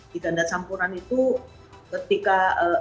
di ganda campuran itu ketika